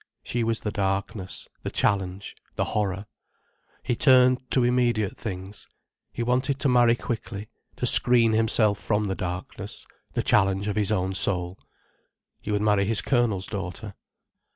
She was the darkness, the challenge, the horror. He turned to immediate things. He wanted to marry quickly, to screen himself from the darkness, the challenge of his own soul. He would marry his Colonel's daughter.